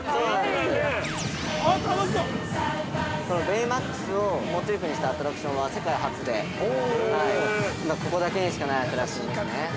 ◆ベイマックスをモチーフにしたアトラクションは世界初でここだけにしかないアトラクションですね。